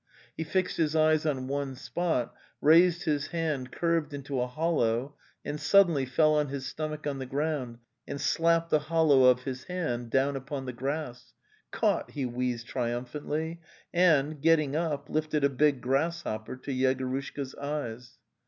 He fixed his eyes on one spot, raised his hand curved into a hol low, and suddenly fell on his stomach on the ground and slapped the hollow of his hand down upon the grass. " Caught!" he wheezed triumphantly, and, get ting up, lifted a big grasshopper to Yegorushka's eyes.